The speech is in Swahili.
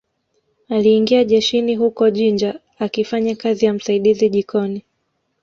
Aliingia jeshini huko Jinja akifanya kazi ya msaidizi jikoni